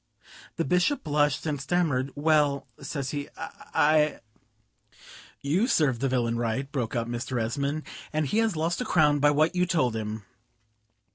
The Bishop blushed and stammered: "Well," says he, "I ..." "You served the villain right," broke out Mr. Esmond, "and he has lost a crown by what you told him."